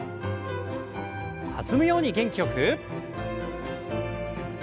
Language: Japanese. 弾むように元気よく。